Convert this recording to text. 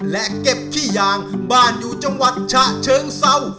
และเก็บขี้ยางบ้านอยู่จังหวัดฉะเชิงเศร้า